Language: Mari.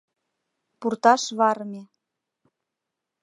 Пурташ варыме!»